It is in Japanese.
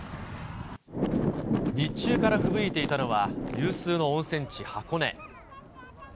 日中からふぶいていたのは有数の温泉地、箱根。